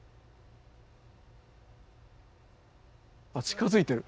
あっ近づいてる！